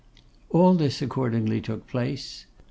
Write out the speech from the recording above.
All this accordingly took place.